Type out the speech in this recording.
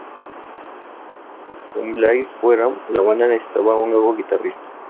Con Blair fuera, la banda necesitaba a un nuevo guitarrista.